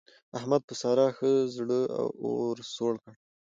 احمد په سارا ښه د زړه اور سوړ کړ.